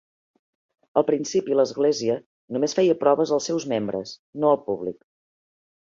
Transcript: Al principi l'església només feia proves als seus membres, no al públic.